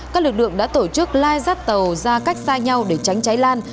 các lực lượng đã tổ chức lai rắt tàu ra cách xa nhau để tránh cháy lan